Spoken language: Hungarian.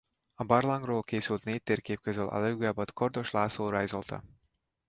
A barlangról készült négy térkép közül a legújabbat Kordos László rajzolta.